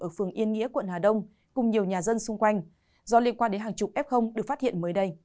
ở phường yên nghĩa quận hà đông cùng nhiều nhà dân xung quanh do liên quan đến hàng chục f được phát hiện mới đây